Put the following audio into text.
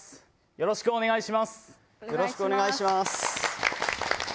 よろしくお願いします。